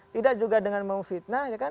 tidak juga dengan memfitnah